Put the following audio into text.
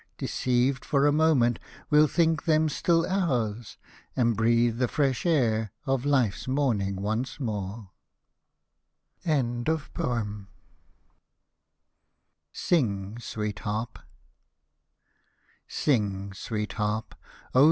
Deceived for a moment, we'll think them still ours. And breathe the fresh air of life's mornin^^ once SING, SWEET HARP Sing, sweet Harp, oh